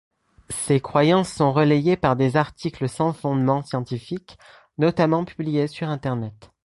Ces croyances sont relayées par des articles sans fondement scientifique notamment publiés sur Internet.